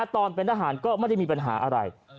ตอนเป็นทหารก็ไม่ได้มีปัญหาอะไร